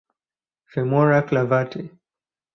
Femora clavate.